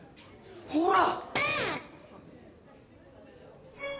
ほら！